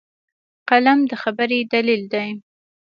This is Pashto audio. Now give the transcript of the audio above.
قلم د خبرې دلیل دی